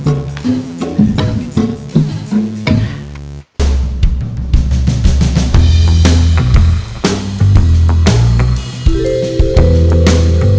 selain dimasak gini